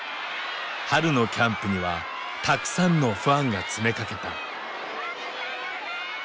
春のキャンプにはたくさんのファンが詰めかけた。